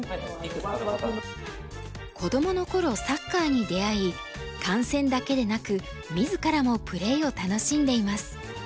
子どもの頃サッカーに出会い観戦だけでなく自らもプレーを楽しんでいます。